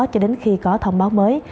cho đến khi có thông báo mới